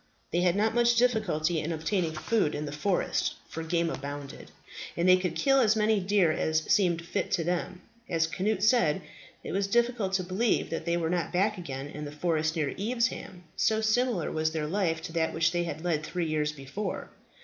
They had not much difficulty in obtaining food in the forest, for game abounded, and they could kill as many deer as seemed fit to them. As Cnut said, it was difficult to believe that they were not back again in the forest near Evesham, so similar was their life to that which they had led three years before.